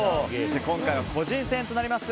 今回は個人戦となります。